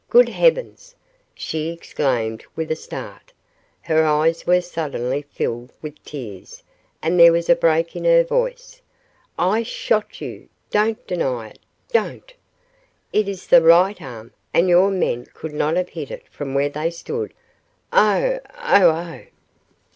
Good heavens!" she exclaimed with a start. Her eyes were suddenly filled with tears and there was a break in her voice. "I shot you! Don't deny it don't! It is the right arm, and your men could not have hit it from where they stood. Oh, oh, oh!"